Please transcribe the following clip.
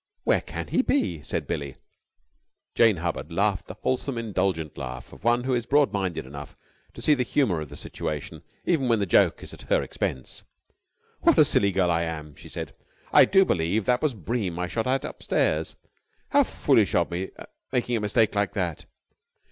"Where can he be?" said Billie. Jane Hubbard laughed the wholesome, indulgent laugh of one who is broad minded enough to see the humor of the situation even when the joke is at her expense. "What a silly girl I am!" she said. "I do believe that was Bream I shot at upstairs. How foolish of me making a mistake like that!"